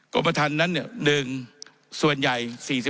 กรุงประธานนั้นส่วนใหญ่๔๕